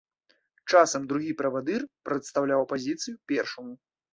Часам другі правадыр прадстаўляў апазіцыю першаму.